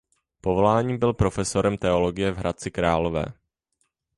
Povoláním byl profesorem teologie v Hradci Králové.